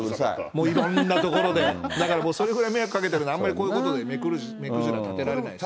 もういろんな所で、だからもう、それぐらい迷惑かけてるのであまりこういうことで目くじら立てられないです。